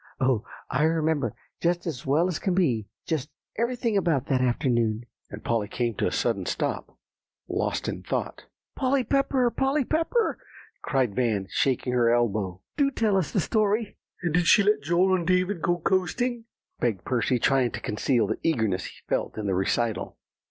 Oh! I remember just as well as can be, just everything about that afternoon;" and Polly came to a sudden stop, lost in thought. "Polly Pepper! Polly Pepper!" cried Van, shaking her elbow, "do tell us the story." "And did she let Joel and David go coasting?" begged Percy, trying to conceal the eagerness he felt in the recital.